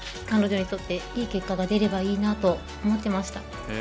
彼女にとって、いい結果が出ればいいなと思っていました。